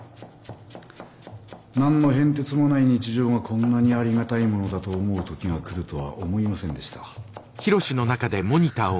何の変哲もない日常がこんなにありがたいものだと思う時が来るとは思いませんでした。